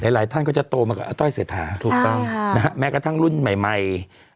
หลายหลายท่านก็จะโตมากับอ่ะต้อยเสร็จหาถูกต้องน่ะฮะแม้กระทั้งรุ่นใหม่